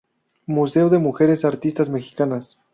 Museo de mujeres artistas mexicanas.